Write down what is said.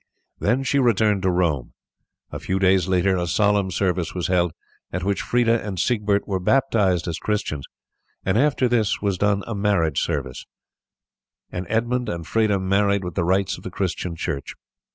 Then she returned to Rome. A few days later a solemn service was held, at which Freda and Siegbert were baptized as Christians, and after this was done a marriage service was held, and Edmund and Freda married with the rites of the Christian Church.